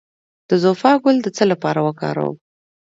د زوفا ګل د څه لپاره وکاروم؟